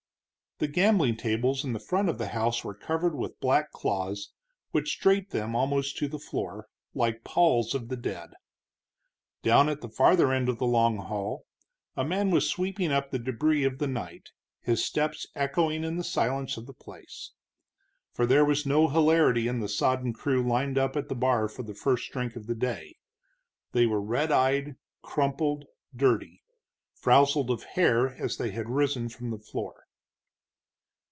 The gambling tables in the front of the house were covered with black cloths, which draped them almost to the floor, like palls of the dead. Down at the farther end of the long hall a man was sweeping up the débris of the night, his steps echoing in the silence of the place. For there was no hilarity in the sodden crew lined up at the bar for the first drink of the day. They were red eyed, crumpled, dirty; frowsled of hair as they had risen from the floor.